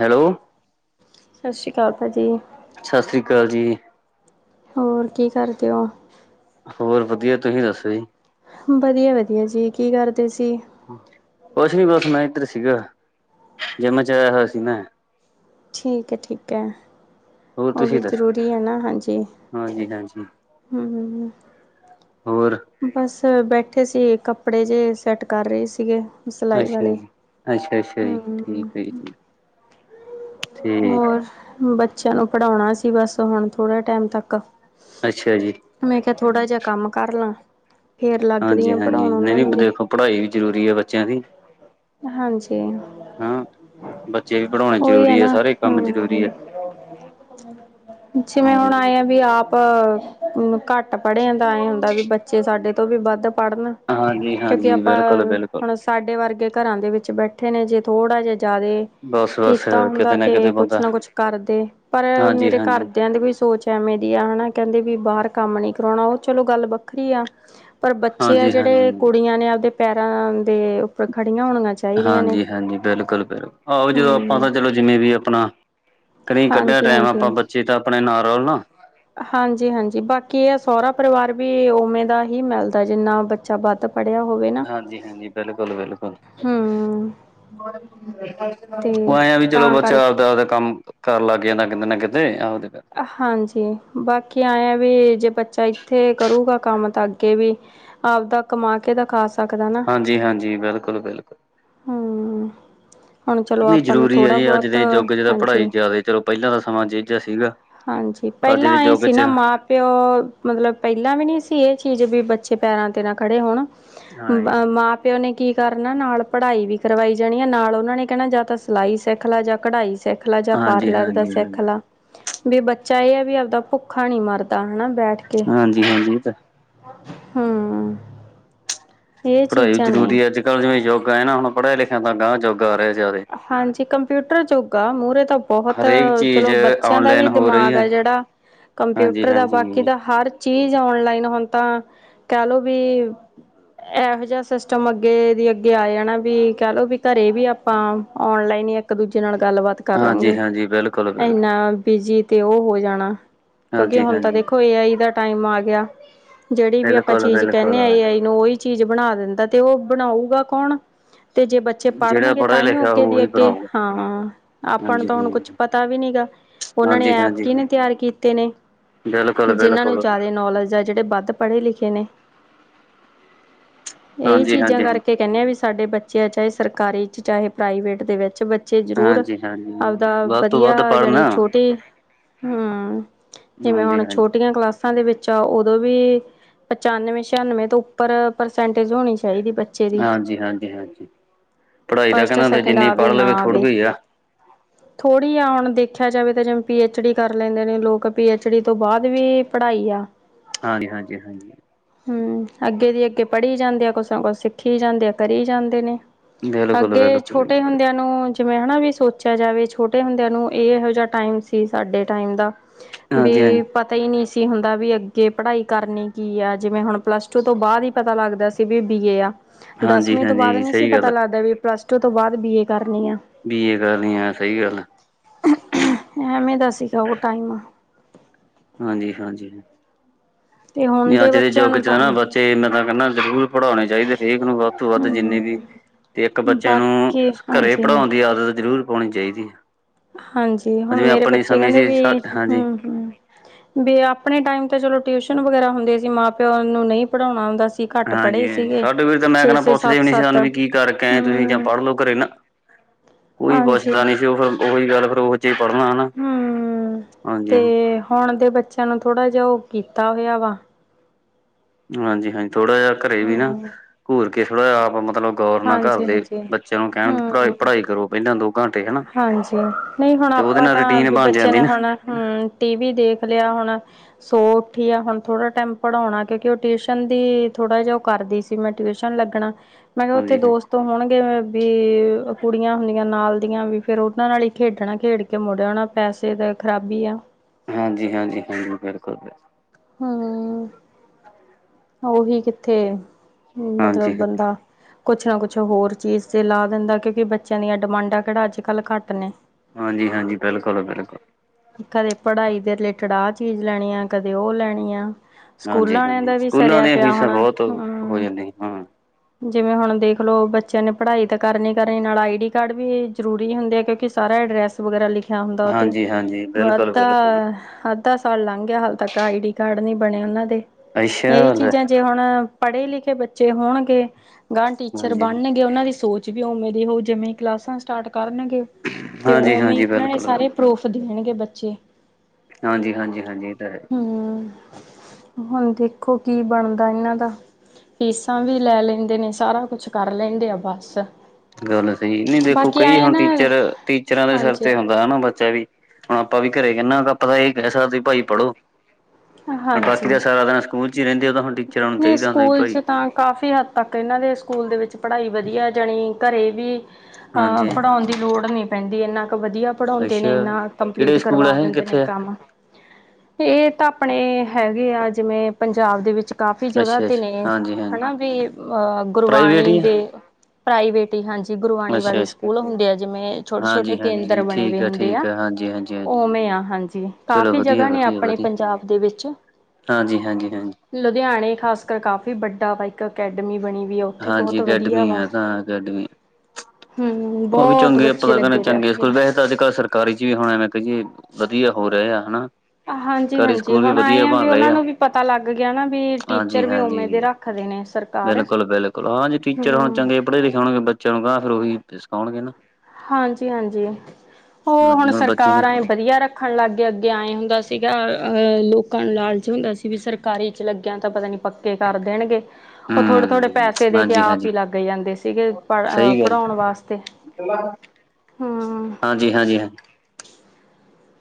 Hello. ਸਸ ਸ੍ਰੀ ਕਾਲ ਭਾਜੀ। ਸਸ ਸ੍ਰੀ ਕਾਲ ਜੀ। ਹੋਰ ਕੀ ਕਰਦੇ ਔ? ਹੋਰ ਵਧੀਆ ਤੁਸੀਂ ਦੱਸੋ ਜੀ। ਵਧੀਆ-ਵਧੀਆ ਜੀ ਕੀ ਕਰਦੇ ਸੀ। ਕੁਛ ਨੀ ਬਸ ਮੈਂ ਇੱਧਰ ਸੀਗਾ, ਜਿਮ ਚ ਆਇਆ ਹੋਇਆ ਸੀ ਮੈਂ। ਠੀਕ ਐ, ਠੀਕ ਐ ਉਹ ਵੀ ਜ਼ਰੂਰੀ ਏ ਨਾ ਹਾਂਜੀ। ਹਾਂਜੀ-ਹਾਂਜੀ। ਹੂੰ-ਹੂੰ। ਹੋਰ ਬਸ ਬੈਠੇ ਸੀ ਕੱਪੜੇ ਜੇ ਸੈੱਟ ਕਰ ਰਹੇ ਸੀਗੇ। ਸਿਲਾਈ ਅੱਛਾ ਵਾਲੇ ਜੀ। ਅੱਛਾ ਅੱਛਾ ਜੀ ਠੀਕ ਹੂੰ। ਹੈ ਜੀ ਤੇ ਹੋਰ ਬੱਚਿਆਂ ਨੂੰ ਪੜੋਣਾ ਸੀ ਬਸ ਹੁਣ ਥੋੜ੍ਹਾ ਟੈਮ ਤੱਕ। ਅੱਛਾ ਜੀ। ਮੈਂ ਕਿਹਾ ਥੋੜ੍ਹਾ ਜਾ ਕੰਮ ਕਰ ਲਾਂ ਫੇਰ ਲੱਗਦੀ ਹਾਂਜੀ ਆ ਹਾਂਜੀ ਪੜੋਨ ਨਹੀਂ ਉਨਾਂ ਨਹੀਂ ਨੂੰ ਵੀ। ਦੇਖੋ ਪੜ੍ਹਾਈ ਵੀ ਜ਼ਰੂਰੀ ਐ ਬੱਚਿਆਂ ਦੀ। ਹਾਂਜੀ ਹਾਂ। ਬੱਚੇ ਵੀ ਪੜ੍ਹਾਉਣੇ ਉਈ ਐ ਜ਼ਰੂਰੀ ਹੈ ਨਾ, ਸਾਰੇ ਕੰਮ ਹਾਂ। ਜ਼ਰੂਰੀ ਹੈ ਜਿਵੇਂ ਹਾਂਜੀ। ਹੁਣ ਆਏ ਆ ਵੀ ਆਪ ਘੱਟ ਪੜ੍ਹਿਆ ਦਾ ਆਏ ਹੁੰਦਾ ਵੀ ਬੱਚੇ ਸਾਡੇ ਤੋਂ ਵੀ ਵੱਧ ਪੜ੍ਹ ਲੇਨ। ਹਾਂਜੀ ਕਿਉਂਕਿ ਹਾਂਜੀ ਆਪਾਂ ਬਿਲਕੁਲ ਬਿਲਕੁਲ ਹੁਣ ਅਸ ਸਾਡੇ ਵਰਗੇ ਕਰਾਂ ਦੇ ਵਿੱਚ ਬੈਠੇ ਨੇ ਜੇ ਥੋੜ੍ਹਾ ਜਾ ਜਾਦੇ ਬਸ ਬਸ ਕੀਤਾ ਕਿਤੇ ਹੁੰਦਾ ਨਾ ਕਿਤੇ ਤੇ ਕੁਛ ਬੰਦਾ ਨਾ ਕੁਛ ਕਰਦੇ, ਪਰ ਹਾਂਜੀ ਮੇਰੇ ਹਾਂਜੀ ਘਰਦਿਆਂ ਦੀ ਵੀ ਸੋਚ ਐਵੇੇ ਦੀ ਆ ਹਨਾ ਕੈੰਦੇ ਵੀ ਬਾਹਰ ਕੰਮ ਨੀ ਕਰਾਉਣਾ ਉਹ ਚਲੋ ਗੱਲ ਵੱਖਰੀ ਆ। ਪਰ ਬੱਚੇ ਆ ਹਾਂਜੀ ਜੇੜੇ ਹਾਂਜੀ ਕੁੜੀਆਂ ਨੇ ਆਪਦੇ ਪੈਰਾਂ ਦੇ ਖੜੀਆਂ ਹੋਣੀਆਂ ਚਾਹੀਦੀਆਂ ਨੇ ਹਾਂਜੀ-ਹਾਂਜੀ ਬਿਲਕੁਲ-ਬਿਲਕੁਲ ਆਹੋ ਜਦੋਂ ਆਪਾਂ ਹਮ ਤਾਂ ਚਲੋ ਜਿਵੇਂ ਵੀ ਆਪਣਾ ਕਰੇ ਈ ਕੱਢਿਆ ਹਾਂਜੀ ਟੈਮ ਆਪਾਂ ਹਾਂਜੀ ਬੱਚੇ ਤਾਂ ਅਪਣੇ ਨਾਲ ਰੋਲ ਨਾ। ਹਾਂਜੀ-ਹਾਂਜੀ ਬਾਕੀ ਏ ਸਹੁਰਾ ਪਰਿਵਾਰ ਵੀ ਉਵੇਂ ਦਾ ਹੀ ਮਿਲਦਾ ਜਿੰਨਾ ਬ ਚਾ ਵੱਧ ਪੜਿਆ ਹੋਵੇ। ਨਾ ਹਾਂਜੀ-ਹਾਂਜੀ ਬਿਲਕੁਲ-ਬਿਲਕੁਲ। ਹੂੰ [unintelligible] ਔ ਤੇ ਐਏ ਆ ਵੀ ਚਲੋ ਤਾਂ ਬੱਚਾ ਕਰਕੇ ਆਪਦਾ-ਆਪਦਾ ਕੰਮ ਕਰ ਲੱਗ ਜਾਂਦਾ ਕਿਤੇ ਨਾ ਕਿਤੇ ਆਪਦੇ ਹਾਂਜੀ ਬਾਕੀ ਆਏ ਆ ਵੀ ਜੇ ਬੱਚਾ ਇੱਥੇ ਕਰੂਗਾ ਕੰਮ ਤਾਂ ਅੱਗੇ ਵੀ ਆਵਦਾ ਕਮਾ ਕੇ ਤਾ ਖਾ ਸਕਦਾ ਨਾ। ਜੀ ਹਾਂਜੀ ਬਿਲਕੁਲ-ਬਿਲਕੁਲ। ਹਾਂ। ਨੀ ਜ਼ਰੂਰੀ ਐ ਜੀ ਅੱਜ ਦੇ ਜੁਗ ਚ ਤਾਂ ਪੜ੍ਹਾਈ ਹਾਂਜੀ ਜ਼ਆਦੀ ਚਲੋ ਪਹਿਲਾਂ ਸਮਾਂ ਜੇ ਜਾ ਸੀਗਾ ਹਾਂਜੀ। ਅੱਜ ਪਇਲਾਂ ਦੇ ਏ ਯੁੱਗ ਸੀ ਚ ਨਾ ਮਾਂ ਪਿਓ ਮਤਲਬ ਪਇਲਾਂ ਵੀ ਨੀ ਸੀ ਏਹ ਚੀਜ਼ ਵੀ ਬੱਚੇ ਪੈਰਾਂ ਤੇ ਨਾ ਖੜ੍ਹੇ ਹੋਣ ਬ ਹਾਂਜੀ-ਹਾਂਜੀ-ਹਾਂਜੀ, ਮਾਂ -ਪਿਓ ਨੇ ਕੀ ਕਰਨਾ ਨਾਲ ਪੜਾਈ ਵੀ ਕਰਵਾਈ ਜਾਣੀ ਐ ਨਾਲ ਔਨਾਂ ਨੇ ਕਹਿਣਾ ਜਾਂ ਤਾਂ ਸਲਾਈ ਸਿੱਖ ਲੈ ਜਾਂ ਕਢਾਈ ਸਿੱਖਲਾ ਜਾਂ ਪਾਰਲਰ ਦਾ ਸਿੱਖਲਾ ਵੀ ਬੱਚਾ ਇਹ ਐ ਵੀ ਆਵਦਾ ਭੁੱਖਾ ਨੀ ਮਰਦਾ ਹਨਾ ਬੈਠ ਹਾਂਜੀ- ਹਾਂਜੀ। ਇਹ ਤਾਂ ਹੈ ਹੁੰ। ਪੜਾਈ ਜ਼ਰੂਰੀ ਅਜ- ਕਲ ਜਿਵੇ ਯੁੱਗ ਐ ਨਾ ਹੁਣ ਪੜ੍ਹਿਆ ਲਿਖਆ ਦਾ ਗਾਂਹ ਜੁਗ ਆ ਰਯਾ ਜਾਦਾਈ ਹਾਂਜੀ। ਕੰਪਊਟਰ ਜੂਗ‌ ਆ ਮੂਹਰੇ ਤਾਂ ਬਹੁਤ ਹਰੇਕ ਚੀਜ਼ ਚਲੋ ਬੱਚਿਆਂ ਦਾ ਔਨਲਾਈਨ ਵੀ ਹੋ ਰਹੀ ਦਿਮਾਗ ਹੈ। ਐ ਜੇੜਾ ਹਾਂਜੀ ਕੰਪਿਊਟਰ ਦਾ ਹਾਂਜੀ ਬਾਕੀ ਦਾ ਹਰ ਚੀਜ਼ ਔਨਲਾਈਨ ਹੁਣ ਤਾਂ ਕਹਿ ਲੋੋ ਵੀ ਇਹ ਜਾ ਸਿਸਟਮ ਅੱਗੇ ਦੀ ਅੱਗੇ ਆ ਜਾਣਾ ਵੀ ਕਹਿ ਲੋੋ ਕਰੇ ਵੀ ਆ ਆਪਾਂ ਔਨਲਾਈਨ ਈ ਇੱਕ ਦੂਜੇ ਨਾਲ ਗੱਲਬਾਤ ਹਾਂਜੀ ਕਰਾਂਗੇ, ਹਾਂਜੀ ਬਿਲਕੁਲ ਬਿਲਕੁਲ ਇੰਨਾ ਬਿਜੀ ਤੇ ਉਹ ਹੋ ਜਾਣਾ, ਕਿਉਂਕਿ ਹਾਂਜੀ ਹੁਣ ਤਾਂ ਹਾਂਜੀ ਦੇਖੋ ਏ ਆਈ ਦਾ ਟਾਈਮ ਆ ਗਆ ਜੇੜੀ ਵੀ ਆਪਾਂ ਬਿਲਕੁਲ ਚੀਜ਼ ਬਿਲਕੁਲ ਕਹਿੰਨੇ ਆ ਏ ਆਈ ਨੂੰ ਉਹੀ ਚੀਜ਼ ਬਣਾ ਦਿੰਦਾ ਤੇ ਉਹ ਬਣਾਉਗਾ ਕੌਣ ਤੇ ਜੇ ਬੱਚੇ ਜਿਹੜਾ ਪੜਨਗੇ ਪੜ੍ਹਿਆ ਤਾਂਹੀਓ ਲਿਖਿਆ ਅੱਗੇ ਹੋਊ ਦੀ ਉਹੀ ਅੱਗੇ, ਬਣਾਊਗਾ ਹਾਂ ਆਪਾਂ ਨੂੰ ਹਾਂਜੀ ਤਾਂ ਹੁਣ ਹ ਕੁਛ ਪਤਾ ਵੀ ਨੀ ਗਾ। ਉਹਨਾਂ ਨੇ ਹਾਂਜੀ ਐਪ ਹਾਂਜੀ ਕੀਹਨੇ ਤਿਆਰ ਕੀਤੇ ਨੇ, ਬਿਲਕੁਲ ਜਿਨ੍ਹਾਂ ਨੂੰ ਬਿਲਕੁਲ ਜਆਦਾ ਈ ਨੌਲਜ ਐ ਜੇੜੇ ਬਧ ਪੜੇ ਲਿਖੇ ਨੇ, ਏਹੀ ਹਾਂਜੀ ਚੀਜ਼ਾਂ ਹਾਂਜੀ ਕਰਕੇ ਕਹਿੰਨੇ ਆ ਵੀ ਸਾਡੇ ਬੱਚੇ ਆ ਚਾਹੇ ਸਰਕਾਰੀ ਚ, ਚਾਹੇ ਪ੍ਰਾਈਵੇਟ ਦੇ ਵਿੱਚ ਬੱ ਚੇ ਜਰੂਰ ਹਾਂਜੀ ਹਾਂਜੀ ਆਵਦਾ ਵੱਧ ਤੋਂ ਵਧੀਆ ਵੱਧ ਪੜ੍ਹਨ ਯਾਣੀ ਛੋਟੀ ਹਮ। ਜਿਵੇਂ ਹਾਂਜੀ ਹੁਣ ਹਾਂਜੀ ਛੋਟੀਆਂ ਕਲਾਸ ਸਾਂਦੇ ਵਿੱਚ ਉਦੋਂ ਵੀ ਪਚਾਨਵੇਂ ਛਿਆਨਵੇਂ ਤੋਂ ਉੱਪਰ ਪਰਸੈਂਟੇਜ ਹੋਣੀ ਚਾਹੀਦੀ ਬ ਹਾਂਜੀ- ਹਾਂਜੀ- ਹਾਂਜੀ। ਪੜਾਈ ਤਾ ਫਸਟ ਕਹਿੰਦੇ ਹੁੰਦੇ ਸੈਕਿੰਡ ਜਿੰਨੀ ਪੜ ਲਵੇ ਥੋੜੀ ਉਈ ਐ। ਥੋੜੀ ਐ ਹੁਣ ਦੇਖਿਆ ਜਾਵੇ ਤਾਂ ਜਿਵੇਂ ਪੀ ਐੱਚ ਡੀ ਕਰ ਲੈਂਨੇ ਨੇ ਲੋਕ ਪੀ ਐੱਚ ਡੀ ਤੋਂ ਬਾਦ ਵੀ ਪੜਾਈ ਐ। ਹਾਂਜੀ- ਹਾਂਜੀ- ਹਾਂਜੀ। ਹਮ। ਅੱਗੇੇ ਦੀ ਅੱਗੇ ਪੜੀ ਜਾਂਦੇ ਆ ਕੁਸ ਨਾ ਕੁਸ ਸਿੱਖੀ ਜਾਂਦੇ ਕਰੀ ਜਾਂਦੇ ਨੇ। ਬਿਲਕੁਲ ਅੱਗੇ ਬਿਲਕੁਲ ਛੋਟੇ ਹੁੰਦਿਆਂ ਨੂੰ ਜਿਵੇਂ ਹਨਾ ਵੀ ਸੋਚਆ ਜਾਵੇ ਛੋਟੇ ਹੁੰਦਆਂ ਨੂੰ ਏਹੋ ਜਆ ਟਾਈਮ ਸੀ ਸਾਡੇ ਟਾਈਮ ਦਾ ਹਾਂਜੀ ਹਾਂਜੀ ਬੀ ਪਤਾ ਈ ਨੀ ਸੀ ਹੁੰਦਾ ਵੀ ਅੱਗੇ ਪੜਾਈ ਕਰਨੀ ਕੀ ਐ। ਜਿਵੇਂ ਹੁਣ ਪਲੱਸ ਟੂ ਤੋਂ ਬਾਦ ਈ ਪਤਾ ਲੱਗਦਾ ਸੀ ਬੀ ਬੀ ਏ ਆ ਹਾਂਜੀ ਦਸਵੀਂ ਤੋਂ ਬਾਦ ਹਾਂਜੀ ਨੀ ਸੀ ਸਹੀ ਪਤਾ ਗੱਲ ਲੱਗਦਾ ਵੀ ਪਲੱਸ ਟੂ ਤੋਂ ਬਾਦ ਬੀ ਏ ਕਰਨੀ ਆ। ਬੀ ਏ ਕਰਨੀ ਆਂ ਸਹੀ ਗੱਲ ਐਵੇਂ ਦਾ ਸੀਗਾ ਉਹ ਟਾਈਮ। ਹਾਂਜੀ- ਹਾਂਜੀ। ਤੇ ਹੁਣ ਨਹੀ ਅੱਜ ਦੇ ਬੱਚਿਆਂ ਜੂਗ ਨੂੰ ਚ ਤਾਂ ਨਾ ਬੱਚੇ ਮੈਂ ਤਾਂ ਕਹੰਨਾ ਜ਼ਰੂਰ ਪੜਉਣੇ ਚਾਹੀਦੇ ਹਰੇਕ ਨੂੰ ਵੱਧ ਤੋਂ ਵੱਧ ਜਿੰਨੇ ਵੀ ਇੱਕ ਬੱਚੇ ਨੂੰ ਬਾਕੀ ਘਰੇ ਹਾਂਜੀ ਪੜਉਣ ਦੀ ਆਦਤ ਜ਼ਰੂਰ ਪਉਣੀ ਚਾਹੀਦੀ। ਐ। ਹਾਂਜੀ। ਹੁਣ ਮੇਰੇ ਬੱਚੇ ਸਮੇਂ ਕਹਿੰਦੇ ਸੀ ਵੀ ਹਮ ਹਾਂਜੀ -ਹਮ ਵਬੀ ਆਪਣੇ ਟਾਈਮ ਤੇ ਚਲੋ ਟਿਊਸ਼ਨ ਵਗੈਰਾ ਹੁੰਦੇ ਸੀ ਮਾਂ ਪਿਓ ਨੂੰ ਨਹੀਂ ਪੜ੍ਹਾਉਣਾ ਆਉਂਦਾ ਸੀ ਘੱਟ ਪੜ੍ਹੇ ਹਾਂਜੀ। ਸੀਗੇ ਸਾਡੇ ਵੀਰ ਤਾਂ ਮੈਂ ਛੇ ਕਹਣਾ ਛੇ ਪੁੱਛਦੇ ਸੱਤ ਵੀ ਨਹੀ ਸੀ ਸੱਤ ਸਾਨੂੰ ਵੀ ਕੀ ਕਰਕੇ ਆਯੈਂ ਤੁਸੀਂ ਜਾਂ ਹਮ ਪੜ ਲਓ ਘਰੇ ਨਾ [inaudible] ਕੋਈ ਹਾਂਜੀ ਪੁੱਛਦਾ ਨਹੀਂ ਸੀ ਉਹ ਫਿਰ ਉਹੀ ਗੜਬੜ ਉਹ ਫਿਰ ਉਹ ਜੇ ਪੜਨਾ ਹੈ ਨਾ ਹੂੰ ਤੇ ਹੁਣ ਦੇ ਬੱਚਿਆਂ ਨੂੰ ਥੋੜਾ ਜਿਹਾ ਉਹ ਕੀਤਾ ਹੋਇਆ ਵਾ ਹਾਂਜੀ ਹਾਂਜੀ ਥੋੜਾ ਜਿਹਾ ਘਰੇ ਵੀ ਨਾ ਘੁਰ ਕੇ ਥੋੜਾ ਜਹਾ ਆਪ ਮਤਲਬ ਗੌਰ ਨਾਲ ਘਰ ਹਾਂਜੀ ਦੇ ਹਾਂਜੀ ਬੱਚਿਆਂ ਨੂੰ ਕਹਿਣ ਪੜਾਈ ਹਮ ਪੜ੍ਹਾਈ ਕਰੋ ਪਹਿਲਾਂ ਦੋ ਘੰਟੇ ਹਨਾ ਹਾਂਜੀ ਤੇ ਉਹਦੇ ਨਾਲ ਰੂਟੀਨ ਬਣ ਜਾਂਦੀ ਨਾ ਹੂੰ ਟੀ-ਵੀ ਦੇਖ ਲਿਆ ਹੁਨ ਸੌ ਉੱਠੀ ਆ ਹੁਣ ਥੋੜਾ ਟਾਈਮ ਪੜ੍ਹਉਣਾ ਕਿਉਂਕਿ ਉਹ ਟਿਊਸ਼ਨ ਦੀ ਥੋੜਾ ਜਿਹਾ ਉਹ ਕਰਦੀ ਸੀ ਕਿ ਮੈਂ ਟਿਊਸ਼ਨ ਲੱਗਣਾ ਮੈਂ ਕਿਹਾ ਉੱਥੇ ਹਾਂਜੀ ਹਾਂ ਦੋਸਤ ਹੋਣਗੇ ਵੀ ਕੁੜੀਆਂ ਹੁੰਦੀਆਂ ਨਾਲ ਵੀ ਫਿਰ ਉਹਨਾਂ ਨਾਲ ਹੀ ਖੇਡਣਾ ਖੇਡ ਕੇ ਮੁੜ ਆਨਾ ਪੈਸੇ ਤਾਂ ਖਰਾਬੀ ਆ ਹਾਂਜੀ ਹਾਂਜੀ ਬਿਲਕੁਲ ਬਿਲਕੁਲ ਹਾਂ ਊਹੀ ਕਿੱਥੇ ਹਾਂਜੀ ਮਤਲਬ ਬੰਦਾ ਕੁਛ ਨਾ ਕੁਛ ਹੋਰ ਚੀਜ਼ ਤੇ ਲਾ ਦਿੰਦਾ ਕਿਉਂਕਿ ਬੱਚਿਆਂ ਦੀਆਂ ਡਿਮਾਂਡਾਂ ਕਿਹੜਾ ਅੱਜ ਕੱਲ੍ਹ ਘੱਟ ਨੇ ਹਾਂਜੀ ਹਾਂਜੀ ਬਿਲਕੁਲ ਬਿਲਕੁਲ ਕਦੇ ਪੜ੍ਹਾਈ ਦੇ ਰਿਲੇਟਿਡ ਆਹ ਚੀਜ਼ ਲੈਣੀ ਆ ਕਦੇ ਉਹ ਲੈਣੀ ਆ ਸਕੂਲਾਂ ਹਾਂਜੀ ਵਾਲਿਆਂ ਹਾਂਜੀ ਦਾ ਵੀ ਸਕੂਲਾਂ ਸਰਿਆ ਦੀਆਂ ਪਿਆ ਫੀਸਾਂ ਹੋਣਾ ਬਹੁਤ ਹੋ ਹੂੰ [inaudible] ਜਾਂਦੀਆਂ ਹਾਂ ਜਿਵੇਂ ਹੁਣ ਦੇਖ ਲਓ ਬੱਚਿਆਂ ਨੇ ਪੜ੍ਹਾਈ ਤਾਂ ਕਰਨੀ ਕਰਨੀ ਨਾਲ ਆਈ ਡੀ ਕਾਰਡ ਵੀ ਜ਼ਰੂਰੀ ਹੁੰਦੇ ਆ ਕਿਉਂਕਿ ਸਾਰਾ ਐਡਰੈਸ ਵਗੈਰਾ ਲਿਖਿਆ ਹੁੰਦਾ ਉਹ ਤੇ ਹਾਂਜੀ ਹਾਂਜੀ ਬਿਲਕੁਲ ਬਿਲਕੁਲ ਅੱਧਾ [inaudible] ਅੱਧਾ ਸਾਲ ਲੰਘ ਗਿਆ ਹਾਲੇ ਤੱਕ ਆਈ ਡੀ ਕਾਰਡ ਨੀ ਬਣੇ ਉਹਨਾਂ ਦੇ ਇਹੀ ਅੱਛਾ ਲੈ ਜੀਜਾ ਜੇ ਹੁਣ ਪੜ੍ਹੇ ਲਿਖੇ ਬੱਚੇ ਹੋਣਗੇ ਗਾਅ ਟੀਚਰ ਹਾਂਜੀ ਬਣਨਗੇ ਉਹਨਾਂ ਦੀ ਸੋਚ ਵੀ ਉਵੇਂ ਦੀ ਹੋਉ ਜਿਵੇਂ ਕਲਾਸਾਂ ਸਟਾਰਟ ਕਰਨਗੇ ਤੇ ਹਾਂਜੀ ਉਵੇਂ ਹਾਂਜੀ ਉਹਨਾਂ ਨੇ ਬਿਲਕੁਲ ਸਾਰੇ ਪ੍ਰੂਫ ਦੇਣਗੇ ਬੱਚੇ ਹਾਂਜੀ ਹਾਂਜੀ ਹਾਂਜੀ ਇਹ ਤਾਂ ਹੈ ਹਮ [unintelligible] [inaudible] ਹੁਣ ਦੇਖੋ ਕੀ ਬਣਦਾ ਇਹਨਾਂ ਦਾ ਫੀਸਾਂ ਵੀ ਲੈ ਲੈਂਦੇ ਨੇ ਸਾਰਾ ਕੁਛ ਕਰ ਲੈਂਦੇ ਆ ਬਸ ਗੱਲ ਸਹੀ ਨੀ ਦੇਖੋ ਬਾਕੀ ਕਈ ਆਏ ਹੁਣ ਨਾ ਟੀਚਰ ਟੀਚਰਾਂ ਦੇ ਸਿਰ ਹਾਂਜੀ, ਤੇ ਹਣ ਨਾ ਵੀ ਹੁਣ ਆਪਾਂ ਵੀ ਘਰੇ ਕਹਿੰਦਾ ਤਾਂ ਆਪਾਂ ਇਹ ਕਹਿ ਸਕਦੇ ਵੀ ਭਾਈ ਪੜੋ [unintelligible] [inaudible] ਬਾਕੀ ਹਾਂਜੀ। ਤਾਂ ਸਾਰਾ ਦਿਨ ਸਕੂਲ ਚ ਹੀ ਰਹਿੰਦੇ ਉਹ ਤਾਂ ਹੁਣ ਟੀਚਰਾਂ ਨੂੰ ਨਹੀਂ ਚਾਹੀਦਾ ਹੁੰਦਾ ਵੀ ਸਕੂਲ ਭਾਈ ਚ ਤਾਂ ਕਾਫੀ ਹੱਦ ਤਕ ਇਹਨਾਂ ਦੇ ਸਕੂਲ ਦੇ ਵਿੱਚ ਪੜ੍ਹਾਈ ਵਧੀਆ ਜਾਣੀ ਘਰ ਵੀ ਹਾਂ ਹਾਂਜੀ ਪੜ੍ਹਾਉਣ ਦੀ ਲੋੜ ਨਹੀਂ ਪੈਂਦੀ ਇੰਨਾ ਕ ਵਧੀਆ ਪੜ੍ਹਾਉਂਦੇ ਨੇ ਅੱਛਾ ਇੰਨਾ ਕਿਹੜੇ ਕੰਪਲੀਟ ਸਕੂਲ ਕਰਵਾ ਆ ਇਹ ਦਿੰਦੇ ਨੇ ਕਿੱਥੇ ਆ ਕੰਮ ਇਹ ਤਾਂ ਆਪਣੇ ਹੈਗੇ ਆ ਜਿਵੇਂ ਪੰਜਾਬ ਦੇ ਵਿੱਚ ਕਾਫ਼ੀ ਜਗ੍ਹਾ ਅੱਛਾ ਤੇ ਅੱਛਾ ਨੇ ਹਾਂਜੀ ਹੈ ਹਾਂਜੀ ਨਾ ਵੀ ਅਹ ਪ੍ਰਾਈਵੇਟ ਗੁਰਬਾਣੀ ਹੀ ਆ ਦੇ [unintelligible] [inaudible] ਪ੍ਰਾਈਵੇਟ ਹੀ ਹਾਂਜੀ ਗੁਰਬਣੀ ਅੱਛਾ ਵਾਲੇ ਅੱਛਾ ਸਕੂਲ ਹੁੰਦੇ ਆ ਜਿਵੇਂ ਛੋਟੇ ਛੋਟੇ ਹਾਂਜੀ ਕੇਂਦਰ ਹਾਂਜੀ ਬਣੇ ਵੇ ਠੀਕ ਹੈ ਹੁੰਦੇ ਠੀਕ ਆ ਹੈ ਹਾਂਜੀ ਹਾਂਜੀ ਹਾਂਜੀ ਉਵੇਂ ਆ ਹਾਂਜੀ ਚਲੋ ਕਾਫ਼ੀ ਵਧੀਆ ਜਗ੍ਹਾ ਨੇ ਵਧੀਆ ਆਪਣੇ ਵਧੀਆ ਪੰਜਾਬ ਦੇ ਵਿੱਚ ਹਾਂਜੀ ਹਾਂਜੀ ਹਾਂਜੀ ਲੁਧਿਆਣੇ ਖਾਸ ਕਰ ਕਾਫੀ ਵੱਡਾ ਵਾਈਕ ਅਕੈਡਮੀ ਬਣੀ ਵੀ ਉੱਥੇ ਬੋਤ ਹਾਂਜੀ ਵਧੀਆ ਅਕੈਡਮੀ ਵਾ ਆ ਤਾਂ ਅਕੈਡਮੀ ਹੂੰ ਉਹ ਵੀ ਬਹੁਤ ਬੱਚੇ ਲੱਗੇ ਪਏ ਉੱਥੇ ਕਾਰਜ ਵੀ ਹੋਣਾ ਮੈ ਕਿਹਾ ਜੀ ਵਧੀਆ ਹੋ ਰਹੇ ਆ ਹਨਾ ਹਾਂਜੀ ਸਰਕਾਰੀ ਹਾਂਜੀ ਸਕੂਲ ਵੀ ਹੁਣ ਆਏ ਵਧੀਆ ਆ ਵੀ ਬਣ ਰਹੇ ਨੂੰ ਵੀ ਪਤਾ ਲੱਗ ਗਿਆ ਨਾ ਟੀਚਰ ਹਾਂਜੀ ਵੀ ਉਵੇਂ ਹਾਂਜੀ ਦੇਰਾ ਘਰੇ ਨੇ ਸਰ ਬਿਲਕੁਲ ਬਿਲਕੁਲ ਹਾਂਜੀ ਟੀਚਰ ਹੁਣ ਚੰਗੇ ਪੜ੍ਹੇ ਲਿਖੇ ਹੋਣਗੇ ਬੱਚਿਆਂ ਨੂੰ ਗਾਅ ਫਿਰ ਉਹੀ ਸਿਖਾਉਣਗੇ ਨਾ ਹਾਂਜੀ ਹਾਂਜੀ ਉਹ ਹਾਂਜੀ ਹੁਣ ਬੱਚੇ ਸਰਕਾਰ ਨਾ ਆਏ ਵਧੀਆ ਰੱਖਣ ਲੱਗ ਗਏ। ਅੱਗੇ ਆਏ ਹੁੰਦਾ ਸੀਗਾ। ਅਹ ਲੋਕਾਂ ਨੂੰ ਲਾਲਚ ਹੁੰਦਾ ਸੀ ਵੀ ਸਰ ਕਾਰੀ 'ਚ ਲੱਗਿਆ ਤਾਂ ਪਤਾ ਨਹੀਂ ਪੱਕੇ ਕਰ ਦੇਣਗੇ। ਉਹ ਥੋੜੇ-ਥੋੜੇ ਹਮ ਪੈਸੇ ਦੇ ਕੇ ਹਾਂਜੀ ਆਪ ਹਾਂਜੀ ਹੀ ਲੱਗੇ ਜਾਂਦੇ ਸੀਗੇ ਪੜ ਅਹ ਸਹੀ ਗੱਲ ਪੜ੍ਹਾਉਣ ਵਾਸਤੇ। [unintelligible] ਹੂ ਹਾਂਜੀ -ਹਾਂਜੀ ਹਾਂ।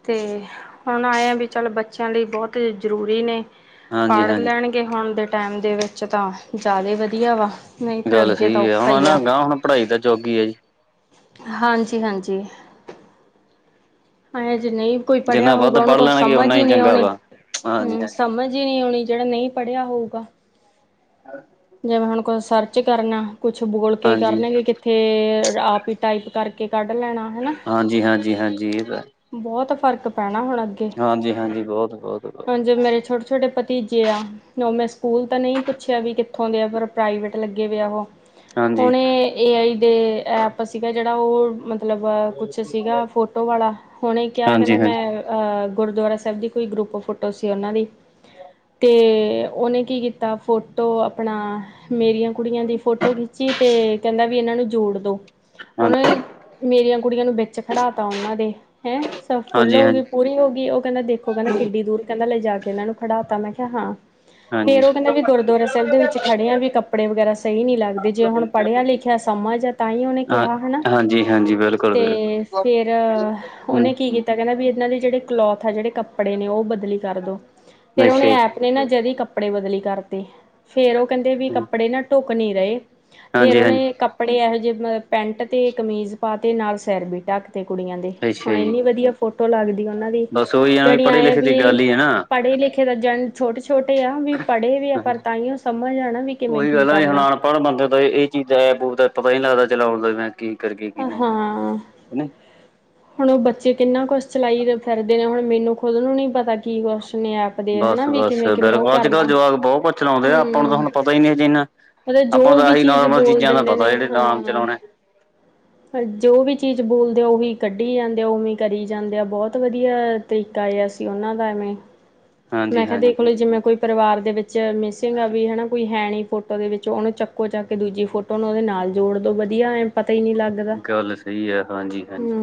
ਤੇ ਹੁਣ ਆਏ ਆਂ ਵੀ ਚੱਲ ਬੱਚਿਆਂ ਲਈ ਬਹੁਤ ਜ਼ਰੂਰੀ ਨੇ। ਹਾਂਜੀ ਪੜ੍ਹ ਹਾਂਜੀ ਲੈਣਗੇ ਕਿ ਹੁਣ ਦੇ ਟਾਈਮ ਦੇ ਵਿੱਚ ਤਾਂ ਜ਼ਿਆਦਾ ਹੀ ਵਧੀਆ ਵਾ। ਨਹੀਂ ਫਿਰ ਗੱਲ ਅੱਗੇ ਤਾਂ ਸਹੀ ਐ। ਔਖਾ ਹੁਣ ਈ ਆ ਅਗਾਂਹ ਹੁਣ ਪੜ੍ਹਾਈ ਤਾਂ ਚੌਗੀ ਹੈ ਜੀ ਹਾਂਜੀ-ਹਾਂਜੀ। ਆਏ ਜੇ ਨਹੀਂ ਕੋਈ ਜਿੰਨਾ ਪੜ੍ਹਿਆ ਵੱਧ ਹੋਊਗਾ। ਉਹਨੂੰ ਪੜ੍ਹ ਕੁਛ ਲੈਣਗੇ ਸਮਝ ਓਨਾ ਹੀ ਨਹੀਂ ਚੰਗਾ ਆਉਣੀ। ਵਾ ਹਾਂਜੀ ਹੂ ਹਾਂ ਸਮਝ ਹੀ ਨਹੀਂ ਆਉਣੀ। ਜਿਹੜਾ ਨਹੀਂ ਪੜ੍ਹਿਆ ਹੋਊਗਾ। [unintelligible] ਜਿਵੇਂ ਹੁਣ ਕੁਛ ਸਰਚ ਕਰਨਾ। ਕੁਛ ਬੋਲਕੇ ਹਾਂਜੀ ਕਰਨਗੇ ਫੇਰ ਆਪ ਹੀ ਟਾਈਪ ਕਰਕੇ ਕੱਢ ਲੈਣਾ ਹਨਾ। ਹਾਂਜੀ-ਹਾਂਜੀ-ਹਾਂਜੀ। ਇਹ ਤਾਂ ਹੈ। ਬਹੁਤ ਫ਼ਰਕ ਪੈਣਾ ਹੁਣ ਹਾਂਜੀ-ਹਾਂਜੀ। ਬਹੁਤ-ਬਹੁਤ-ਬਹੁਤ ਜੋ ਮੇਰੇ ਛੋਟੇ-ਛੋਟੇ ਭਤੀਜੇ ਆ ਉਹ ਮੈਂ ਸਕੂਲ ਤਾਂ ਨਹੀਂ ਪੁੱਛਿਆ ਵੀ ਕਿਥੇ ਉੱਥੋਂ ਦੇ ਆ ਪਰ ਪ੍ਰਾਈਵੇਟ ਲੱਗੇ ਵਏ ਆ। ਹਾਂਜੀ ਉਹਨੇ ਏ ਆਈ ਦੇ ਐਪ ਸੀਗਾ ਜਿਹੜਾ ਉਹ ਮਤਲਬ ਕੁਛ ਸੀਗਾ ਫੋਟੋ ਵਾਲਾ ਹੁਣੇ ਕਿਹਾ ਹਾਂਜੀ ਕਹਿੰਦਾ ਹਾਂਜੀ ਮੈਂ ਅਹ ਗੁਰਦੁਆਰਾ ਸਾਹਿਬ ਦੀ ਕੋਈ ਗਰੁੱਪ ਫੋਟੋ ਸੀ ਉਹਨਾਂ ਦੀ। ਤੇ ਉਹਨੇ ਕੀ ਕੀਤਾ ਫੋਟੋ ਆਪਣਾ ਮੇਰੀਆਂ ਕੁੜੀਆਂ ਦੀ ਫੋਟੋ ਖਿੱਚੀ ਤੇ ਕਹਿੰਦਾ ਵੀ ਇਹਨਾਂ ਨੂੰ ਜੋੜ ਦੋ। ਹਾਂ ਉਹਨੇ ਮੇਰੀਆਂ ਕੁੜੀਆਂ ਨੂੰ ਵਿੱਚ ਖੜਾ ਤਾ ਉਹਨਾਂ ਦੇ। ਹੈਂ ਸ ਫੁੱਲ ਹਾਂਜੀ ਹਾਂਜੀ ਹੋ ਗਈ। ਪੂਰੀ ਹੋ ਗਈ। ਉਹ ਕਹਿੰਦਾ ਦੇਖੋ ਕਹਿੰਦਾ ਕਿੱਡੀ ਦੂਰ ਕਹਿੰਦਾ ਲੈ ਜਾ ਕੇ ਇਹਨਾਂ ਨੂੰ ਖੜਾਤਾ। ਮੈਂ ਕਿਹਾ ਹਾਂ। ਹਾਂਜੀ ਫੇਰ ਉਹ ਕਹਿੰਦਾ ਵੀ ਗੁਰਦੁਆਰਾ ਸਾਹਿਬ ਦੇ ਵਿੱਚ ਖੜਿਆਂ ਵੀ ਕੱਪੜੇ ਵਗੈਰਾ ਸਹੀ ਨਹੀਂ ਲੱਗਦੇ। ਜੇ ਹੁਣ ਪੜ੍ਹਿਆ-ਲਿਖਿਆ ਸਮਝ ਆ ਤਾਂ ਹੀ ਉਹਨੇ ਹਾਂ ਕਿਹਾ ਹਨਾ ਹਾਂਜੀ ਹਾਂਜੀ ਬਿਲਕੁਲ ਤੇ ਬਿਲਕੁਲ ਫੇਰ ਉਹਨੇ ਕੀ ਹਮ ਕੀਤਾ ਕਹਿੰਦਾ ਵੀ ਇਹਨਾਂ ਦੇ ਜਿਹੜੇ ਕਲੋਥ ਆ ਜਿਹੜੇ ਕੱਪੜੇ ਨੇ। ਉਹ ਬਦਲੀ ਕਰ ਦੋ ਫੇਰ ਅੱਛਾ ਉਹਨੇ ਐ ਜੀ ਤੇ ਨਾ ਜਦੀ ਕੱਪੜੇ ਬਦਲੀ ਕਰਤੇ। ਫੇਰ ਉਹ ਕਹਿੰਦੇ ਵੀ ਕੱਪੜੇ ਨਾ ਢੁੱਕ ਨਹੀਂ ਰਹੇ। ਫ਼ੇਰ ਹਾਂਜੀ ਹਾਂਜੀ ਉਹਨੇ ਕੱਪੜੇ ਇਹੋ ਜਿਹੇ ਮਤਲ ਪੈਂਟ ਤੇ ਕਮੀਜ਼ ਪਾ ਤੇ ਨਾਲ ਸਿਰ ਵੀ ਟਕ ਤੇ ਤੇ ਕੁੜੀਆਂ ਦੇ। ਅੱਛਾ ਹੁਣ ਜੀ ਇੰਨੀ ਵਧੀਆ ਫੋਟੋ ਲੱਗਦੀ ਉਹਨਾਂ ਦੀ ਬਸ ਉਹੀ ਹੈ ਵੀ ਜਣੀ ਪੜ੍ਹੇ ਆਂਏ ਲਿਖੇ ਦੀ ਵੀ। ਗੱਲ ਹੀ ਹੈ ਨਾ ਪੜ੍ਹੇ-ਲਿਖੇ ਤਾਂ ਜ ਛੋਟੇ- ਛੋਟੇ ਆ ਵੀ ਪੜ੍ਹੇ ਵਏ ਆ ਪਰ ਹਾਂਜੀ ਤਾਹੀਓਂ ਸਮਝ ਆ ਨਾ ਵੀ ਕਿਵੇਂ ਉਹੀ ਕੀ ਗੱਲ ਹੈ ਕਰਨਾ। ਹੁਣ ਬੰਦੇ ਦਾ ਇਹ ਚੀਜ਼ ਐਪ -ਐਪੂ ਦਾ ਪਤਾ ਹੀ ਲੱਗਦਾ ਚਲਾਉਣ ਦਾ ਮੈਂ ਕੀ ਕਰੀਏ ਕੀ ਨਹੀਂ ਕਰੀ ਹਾਂ [inaudible] ਹਨਾ ਹੁਣ ਉਹ ਬੱਚੇ ਕਿੰਨਾ ਕੁਸ਼ ਚਲਾਈ ਫਿਰਦੇ ਨੇ। ਹੁਣ ਮੈਨੂੰ ਖੁਦ ਨੂੰ ਨਹੀਂ ਪਤਾ। ਕੀ ਕੁਸ਼ ਨੇ ਐਪ ਦੇ ਹਨਾ ਵੀ ਬਸ-ਬਸ ਕਿਵੇਂ-ਕਿਵੇਂ ਉਹ ਬਿਲਕੁਲ ਅੱਜ-ਕੱਲ੍ਹ ਕਰਨਾ। ਜਵਾਕ ਬਹੁਤ ਕੁਛ ਚਲਾਉਣ ਹੂ ਮਤਲਬ ਆਪਾਂ ਨੂੰ ਜੋ ਤਾਂ ਵੀ ਆਹੀ ਚੀਜ਼ ਨੋਰਮਲ ਬੋਲ ਚੀਜ਼ਾਂ ਦਾ ਦਿੰਦੇ ਪਤਾ ਨੇ ਜਿਹੜੇ ਨਾਮ ਹਾਂ। ਚਲਾਉਣੇ ਜੋ ਵੀ ਚੀਜ਼ ਬੋਲਦੇ ਆ। ਉਹੀ ਕੱਢੀ ਜਾਂਦੇ ਆ। ਉਵੇਂ ਕਰੀ ਜਾਂਦੇ ਆ ਬਹੁਤ ਵਧੀਆ ਤਰੀਕਾ ਜਿਹਾ ਸੀ। ਉਹਨਾਂ ਦਾ ਐਵੇਂ [inaudible] ਮੈਂ ਕਿਹਾ ਦੇਖਲੋ ਜਿਵੇਂ ਕੋਈ ਪਰਿਵਾਰ ਦੇ ਵਿੱਚ ਮਿਸਿੰਗ ਆ ਵੀ ਹਨਾ ਕੋਈ ਹੈ ਨਹੀਂ ਫੋਟੋ ਦੇ ਵਿੱਚ ਉਹਨੂੰ ਚੱਕੋ ਚੱਕ ਕੇ ਦੂਜੀ ਫੋਟੋ ਉਨੂੰ ਉਦੇ ਨਾਲ ਜੋੜ ਦੋ ਵਧੀਆ ਏ ਪਤਾ ਹੀ ਨੀ ਲੱਗਦਾ ਗਲ ਸਹੀ ਏ ਹਾਂਜੀ-ਹਾਂਜੀ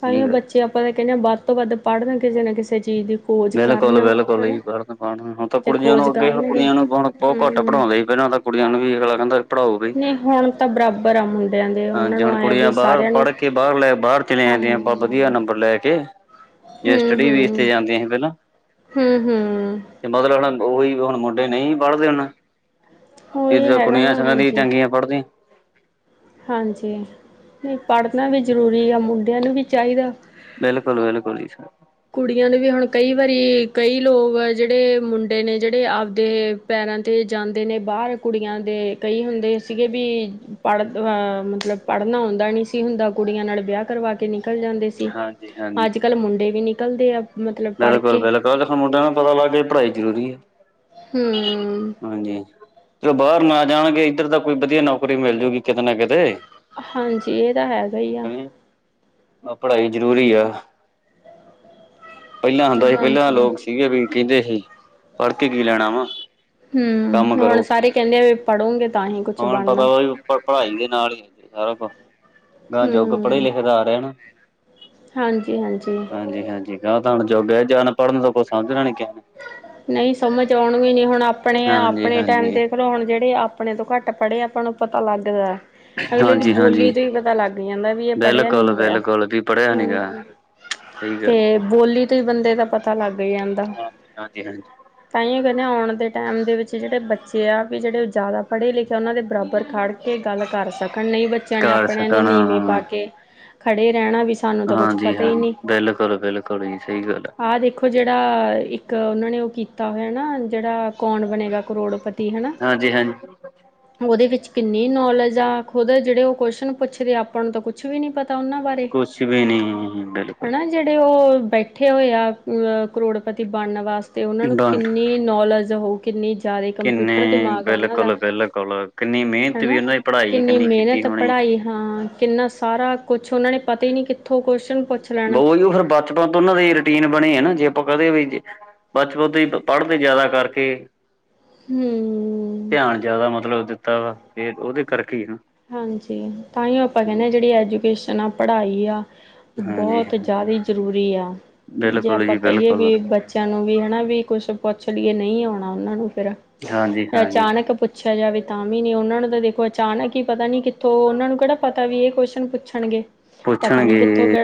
ਤਾਂਹੀ ਬੱਚੇ ਆਪਾਂ ਤਾਂ ਕਹਿੰਨੇ ਆ ਵੱਧ ਤੋਂ ਵੱਧ ਪੜ੍ਹਨਗੇ ਜਿਵੇਂ ਕਿਸੇ ਚੀਜ਼ ਦੀ ਖੋਜ ਕਰਨ ਬਿਲਕੁਲ-ਬਿਲਕੁਲ ਹਨਾ। ਜੀ ਬੜ ਪਾਣ ਹੁਣ ਤਾਂ ਜੇ ਕੁੜੀਆਂ ਨੂੰ ਖੋਜ ਅੱਗੇ ਹੁਣ ਕਰਨਗੇ ਕੁੜੀਆਂ ਨੂੰ ਹੁਣ ਬਹੁਤ ਘੱਟ ਹੂੰ ਪੜਾਉਂਦੇ ਸੀ ਪਹਿਲਾਂ ਤਾਂ ਕੁੜੀਆਂ ਨੂੰ ਵੀ ਅਗਲਾ ਕਹਿੰਦਾ ਪੜਾਓ ਨਹੀਂ ਹੁਣ ਤਾਂ ਬਰਾਬਰ ਆ ਹੁਣ ਹਾਂਜੀ ਹੁਣ ਕੁੜੀਆਂ ਬਾਹਰ ਪੜ੍ਹ ਕੇ ਬਾਹਰ ਲੈ ਬਾਹਰ ਚਲੀਆਂ ਹਾਂ ਜਾਂਦੀਆਂ ਪਰ ਵਧੀਆ ਹੂੰ-ਹੂੰ, ਨੰਬਰ ਲੈ ਕੇ ਜਾਂ ਸਟੱਡੀ ਬੇਸ ਤੇ ਹੂੰ-ਹੂੰ ਜਾਂਦੀਆਂ ਸੀ ਪਹਿਲਾਂ ਉਹੀ ਹੁਣ ਮੁੰਡੇ ਨਹੀਂ ਪੜ੍ਹਦੇ ਹੁਣ ਉਹੀ ਦੂਜਾ ਹੈਗਾ ਕੁੜੀਆਂ ਨਾ ਸਗੋ ਦੀ ਚੰਗੀਆਂ ਪੜ੍ਹਦੀਆਂ ਹਾਂਜੀ, ਪੜ੍ਹਨਾ ਵੀ ਜ਼ਰੂਰੀ ਆ ਮੁੰਡਿਆਂ ਨੂੰ ਵੀ ਚਾਹੀਦਾ ਬਿਲਕੁਲ-ਬਿਲਕੁਲ ਜੀ ਸਰ ਕੁੜੀਆਂ ਨੂੰ ਹੁਣ ਕਈ ਵਾਰੀ ਕਈ ਲੋਗ ਆ ਜਿਹੜੇ ਮੁੰਡੇ ਨੇ ਜਿਹੜੇ ਆਪ ਦੇ ਪੈਰਾਂ 'ਤੇ ਜਾਂਦੇ ਨੇ ਬਾਹਰ ਕੁੜੀਆਂ ਦੇ ਕਈ ਹੁੰਦੇ ਸੀਗੇ ਵੀ ਪੜ੍ਹਨ ਮਤਲਬ ਪੜ੍ਹਨਾ ਆਉਂਦਾ ਨਹੀਂ ਸੀ ਹੁੰਦਾ ਕੁੜੀਆਂ ਨਾਲ ਵਿਆਹ ਕਰਵਾ ਕੇ ਨਿਕਲ ਜਾਂਦੇ ਸੀ, ਹਾਂਜੀ-ਹਾਂਜੀ, ਅਜ ਕਲ ਮੁੰਡੇ ਵੀ ਨ ਨਿਕਲਦੇ ਆ ਬਿਲਕੁਲ-ਬਿਲਕੁਲ ਮੁੰਡੇਆਂ ਨੂੰ ਪਤਾ ਲੱਗ ਗਿਆ ਪੜ੍ਹਾਈ ਜ਼ਰੂਰੀ ਐ ਹੂੰ ਹਾਂਜੀ ਚਲੋ ਬਾਹਰ ਨਾ ਜਾਣਗੇ ਇੱਧਰ ਦਾ ਕੋਈ ਵਧੀਆ ਨੌਕਰੀ ਮਿਲ ਜਾਉਗੀ ਕਿਤੇ ਨਾ ਕਿਤੇ ਹਾਂਜੀ, ਇਹ ਤਾਂ ਹੈਗਾ ਹੀ ਏ ਹਨਾ। ਪੜ੍ਹਾਈ ਜ਼ਰੂਰੀ ਆ, ਪਹਿਲਾਂ ਹੁੰਦਾ ਸੀ ਪਹਿਲਾਂ ਹਾਂਜੀ ਲੋਕ ਵੀ ਕਹਿੰਦੇ ਸੀ, ਪੜ੍ਹਕੇ ਕੀ ਲੈਣਾ ਵਾ ਹੂੰ ਕੰਮ ਹੁਣ ਕਰੋ, ਸਾਰੇ ਕਹਿੰਦੇ ਆ ਵੀ ਪੜੋਗੇ ਤਾਂ ਹੀ ਕੁਛ ਬਣਨਾ ਪਰ ਪੜ੍ਹਾਈ ਦੇ ਨਾਲ ਹੀ, ਸਾਰਾ ਕੁ ਯੁਗ ਪੜ੍ਹੇ ਲਿਖੇ ਦਾ ਆ ਰਿਹਾ ਨਾ ਹਾਂਜੀ-ਹਾਂਜੀ ਹਾਂਜੀ-ਹਾਂਜੀ ਗਾ ਤਾਂ ਹੁਣ ਜੁਗ ਅਨਪੜ੍ਹਾ ਨੂੰ ਕੁਝ ਸਮਝਣਾ ਨੀ ਕਿਸੇ ਨੇ ਨਹੀਂ ਸਮਝ ਆਉਣਗੇ ਨੀ ਹੁਣ ਆਪਣੇ-ਆਪਣੇ ਟਾਈਮ ਹਾਂਜੀ-ਹਾਂਜੀ, ਦੇਖ ਲੋ ਹੁਣ ਜਿਹੜੇ ਆਪਣੇ ਤੋਂ ਘੱਟ ਪੜ੍ਹੇ ਆਪਾਂ ਨੂੰ ਪਤਾ ਲੱਗਦਾ ਅਗਲੇ ਦੀ ਬੋਲੀ ਹਾਂਜੀ-ਹਾਂਜੀ, ਤੋਂ ਹੀ ਪਤਾ ਲੱਗ ਜਾਂਦਾ ਵੀ ਇਹ ਪੜ੍ਹਿਆ ਲਿਖਿਆ ਬਿਲਕੁਲ-ਬਿਲਕੁਲ ਵੀ ਪੜ੍ਹਿਆ ਨੀ ਹੂੰ ਗਾ ਸਹੀ ਤੇ ਗੱਲ ਬੋਲੀ ਤੋਂ ਹੀ ਬੰਦੇ ਦਾ ਪਤਾ ਲੱਗ ਜਾਂਦਾ ਹਾਂਜੀ-ਹਾਂਜੀ ਤਾਂਈਓ ਕਹਿੰਨੇ ਆ ਆਉਣ ਦੇ ਟਾਈਮ ਦੇ ਵਿੱਚ ਜਿਹੜੇ ਬੱਚੇ ਆ ਵੀ ਜਿਹੜੇ ਜ਼ਿਆਦਾ ਪੜ੍ਹੇ ਲਿਖੇ ਉਹਨਾਂ ਦੇ ਬਰਾਬਰ ਖੜ ਗੱਲ ਕਰ ਸਕਣ ਨਹੀਂ ਬੱਚਿਆਂ ਨੇ ਕਰ ਆਪਣਿਆਂ ਦੇ ਸਕਣ ਨੀਵੇਂ ਪਾ ਕੇ ਖੜੇ ਰਹਿਣਾ ਵੀ ਸਾਨੂੰ ਤਾਂ ਕੁਛ ਹਾਂਜੀ ਪਤਾ ਹਾਂ, ਹੀ ਨਹੀਂ ਬਿਲਕੁਲ-ਬਿਲਕੁਲ ਜੀ ਸਹੀ ਗੱਲ ਆ ਆਹ ਦੇਖੋ ਜਿਹੜਾ ਇਕ ਉਹਨਾਂ ਨੇ ਉਹ ਕੀਤਾ ਹੋਇਆ ਨਾ ਜਿਹੜਾ ਕੌਣ ਬਣੇਗਾ ਕਰੋੜਪਤੀ ਹੈਨਾ ਹਾਂਜੀ-ਹਾਂਜੀ ਉਹਦੇ ਵਿੱਚ ਕਿੰਨੀ ਨੌਲਜ ਆ ਖੁਦ ਜਿਹੜੇ ਉਹ ਕੁਸ਼ਚਨ ਪੁੱਛਦੇ ਆਪਾਂ ਨੂੰ ਤਾਂ ਕੁਛ ਵੀ ਨਹੀਂ ਪਤਾ ਉਹਨਾਂ ਬਾਰੇ ਕੁਛ ਵੀ ਨਹੀ ਬਿਲਕੁਲ ਹਨਾ ਜਿਹੜੇ ਉਹ ਬੈਠੇ ਹੋਏ ਆ ਕਰੋੜਪਤੀ ਬਣਨ ਵਾਸਤੇ ਉਹਨਾਂ ਨੂੰ ਡਨ ਕਿੰਨੀ ਨੌਲਜ ਹੋਊ ਕਿੰਨੀ ਜ਼ਿਆਦਾ ਕਿੰਨੇ ਕੰਪਿਊਟਰ ਦਿਮਾਗ ਆ ਉਹਨਾ ਦਾ ਬਿਲਕੁਲ ਬਿਲਕੁਲ ਕਿੰਨੀ ਮਿਹਨਤ ਵੀ ਹੈਨਾ ਉਹਨਾਂ ਦੀ ਪੜ੍ਹਾਈ ਕਿੰਨੀ ਕੀਤੀ ਮੇਨਤ ਹੋਣੀ ਪੜ੍ਹਾਈ ਹਾਂ ਕਿੰਨਾ ਸਾਰਾ ਕੁੱਛ ਉਹਨਾਂ ਨੇ ਪਤਾ ਈ ਨੀ ਕਿੱਥੋਂ ਕੁਅਸ਼ਨ ਪੁੱਛ ਲੈਣਾ ਬਹੁ ਜ ਉਹ ਫਿਰ ਬਚਪਨ ਤੋਂ ਉਹਨਾਂ ਦੇ ਰੂਟੀਨ ਬਣੇ ਆ ਨਾ ਜੇ ਆਪਾਂ ਕਦੇ ਵੀ ਤੇ ਬਚਪਨ ਤੋਂ ਈ ਪੜ੍ਹਦੇ ਜ਼ਾਦਾ ਕਰਕੇ ਹੂੰ ਧਿਆਨ ਜ਼ਿਆਦਾ ਮਤਲਬ ਦਿੱਤਾ ਵਾ, ਏ ਉਹਦੇ ਕਰਕੇ ਈ ਆ। ਹਾਂਜੀ, ਤਾਂਹੀ ਓ ਆਪਾਂ ਕੇਨੇ ਆ ਜੇੜੀ ਐਜੂਕੇਸ਼ਨ ਆ ਪੜ੍ਹਾਈ ਆ। ਹਾਂਜੀ ਬੋਤ ਜ਼ਾਦੇ ਜ਼ਰੂਰੀ ਆ, ਜੇ ਬਿਲਕੁਲ ਆਪਾਂ ਜੀ ਕਹੀਏ ਬਿਲਕੁਲ ਵੀ ਬੱਚੇ ਬੱਚੇਆਂ ਨੂੰ ਵੀ ਹਨਾ ਵੀ ਕੁੱਛ ਪੁੱਛ ਲਈਏ ਨਈ ਆਉਣਾ ਉਹਨਾਂ ਨੂੰ ਫੇਰ ਹਾਂਜੀ ਹਾਂਜੀ ਅਚਾਨਕ ਪੁੱਛ ਪੁੱਛਿਆ ਜਾਵੇ ਤਾਂ ਵੀ ਨੀ ਉਨਾਂ ਨੂੰ ਤਾਂ ਦੇਖੋ ਅਚਾਨਕ ਹੀ ਪਤਾ ਨੀ ਕਿੱਥੋਂ ਓਨਾਂ ਨੂੰ ਕੇੜਾ ਪਤਾ ਤਾਂ ਵੀ ਏ ਕੋਸ਼ਨ ਪੁੱਛਣਗੇ। ਪਤਾ ਨੀ ਕਿੱਥੋਂ ਪੁੱਛਣਗੇ-